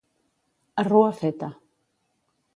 A rua feta.